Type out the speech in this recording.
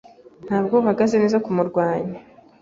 Ntabwo uhagaze neza kumurwanya.